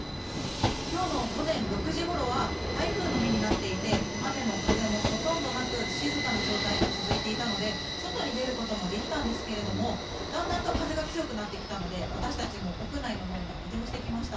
今日の午前６時ごろは台風の目になっていて雨も風もほとんどなく静かな状態が続いていたので外に出ることもできたんですがだんだんと風が強くなってきたので私たちも屋内のほうに移動してきました。